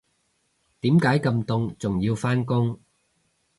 點解咁凍仲要返工